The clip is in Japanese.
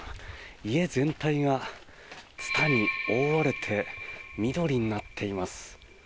家全体がツタに覆われて緑になっています。